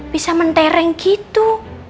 bisa mentereng gitu